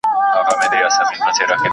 ¬ مامد خيره، ستا ئې د خيره.